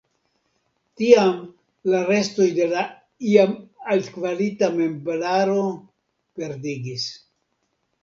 Tiam la restoj de la iam altkvalita meblaro perdiĝis.